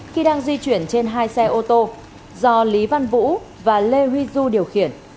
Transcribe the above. khi đang di chuyển trên hai xe ô tô do lý văn vũ và lê huy du điều khiển